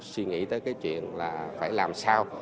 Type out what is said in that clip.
suy nghĩ tới cái chuyện là phải làm sao